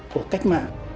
của cách mạng